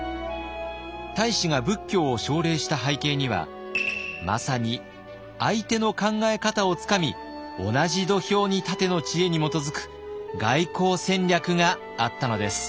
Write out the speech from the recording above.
太子が仏教を奨励した背景にはまさに「相手の考え方をつかみ同じ土俵に立て」の知恵に基づく外交戦略があったのです。